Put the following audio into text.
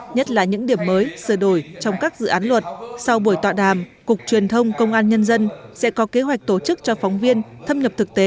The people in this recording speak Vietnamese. nhất là những điểm mới sửa đổi trong các dự án luật sau buổi tọa đàm cục truyền thông công an nhân dân sẽ có kế hoạch tổ chức cho phóng viên thâm nhập thực tế